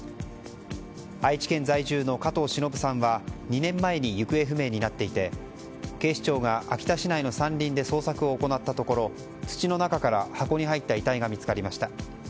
愛知県在住の加藤しのぶさんは２年前に行方不明になっていて警視庁が秋田市内の山林で捜索を行ったところ土の中から箱に入った遺体が見つかりました。